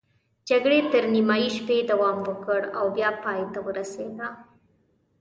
جګړې تر نیمايي شپې دوام وکړ او بیا پای ته ورسېده.